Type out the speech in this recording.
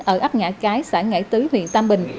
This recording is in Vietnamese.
ở ấp ngã cái xã ngãi tứ huyện tam bình